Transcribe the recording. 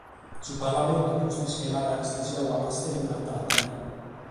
Su parlamentu pustis nche l’ant istesiadu a Casteddu e a Tàtari.